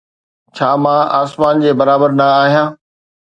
ڇا مان آسمان جي برابر نه آهيان؟